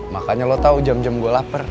makanya lo tau jam jam gue lapar